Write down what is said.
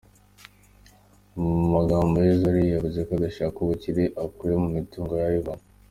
Mu magambo ye Zari , yavuze ko adashaka ubukire akuye mu mitungo ya Ivan.